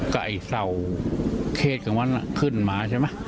ก็ไอ้เสาเทศของมันขึ้นมาใช่ไหม